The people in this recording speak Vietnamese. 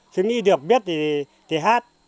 suy nghĩ được biết thì hát